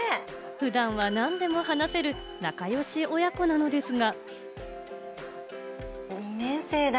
普段は何でも話せる仲良し親子なのですが。